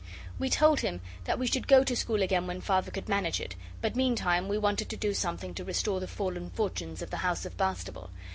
We told him that we should go to school again when Father could manage it, but meantime we wanted to do something to restore the fallen fortunes of the House of Bastable.